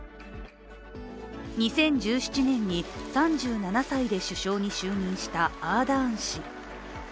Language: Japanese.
２０１７年に３７歳で首相に就任したアーダーン氏。